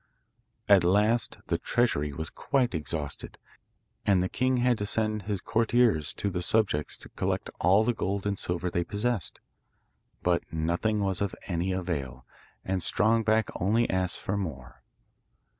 At last the treasury was quite exhausted, and the king had to send his courtiers to his subjects to collect all the gold and silver they possessed. But nothing was of any avail, and Strong Back only asked for more.